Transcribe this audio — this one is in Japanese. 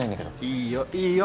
いいよいいよ